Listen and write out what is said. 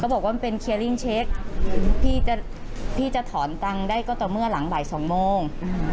เขาบอกว่ามันเป็นเครียร์ริ่งเช็คพี่จะพี่จะถอนตังได้ก็ต่อเมื่อหลังบ่ายสองโมง